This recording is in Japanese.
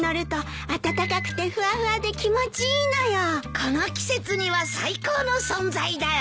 この季節には最高の存在だよ。